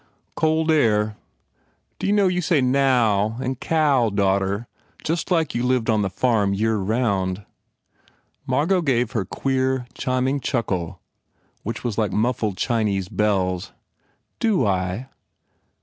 Cold air. D you know you say na ow and ca ow, daughter, just like you lived on the farm the year round?" Margot gave her queer, chiming chuckle which was like muffled Chinese bells. u Do I